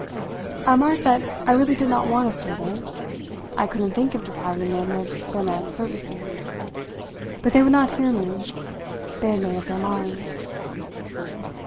I remarked that I really did not want a servant. I couldn't think of depriving them of their man's services; but they would not hear me. They had made up their minds.